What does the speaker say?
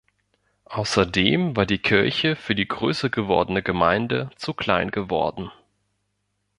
Außerdem war die Kirche für die größer gewordene Gemeinde zu klein geworden.